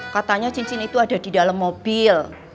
katanya cincin itu ada di dalam mobil